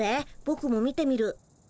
ぼくも見てみる。